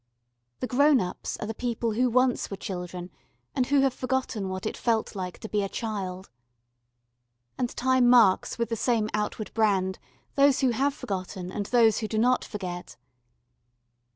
The grown ups are the people who once were children and who have forgotten what it felt like to be a child. And Time marks with the same outward brand those who have forgotten and those who do not forget.